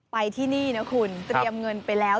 ไปที่นี่นะคุณเตรียมเงินไปแล้ว